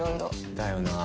だよな